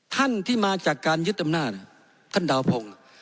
ท่านที่มาจากการยึดอำนาจท่านดาวพงศ์